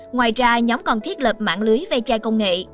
ngoài ra nhóm còn thiết lập mạng lưới về trai công nghệ